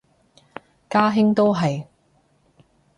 家兄都係